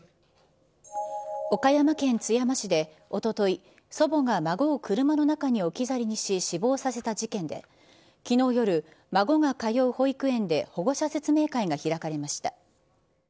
岡山県津山市で、おととい、祖母が孫を車の中に置き去りにし死亡させた事件で、きのう夜、孫が通う保育園で保護者説明会が開かれました。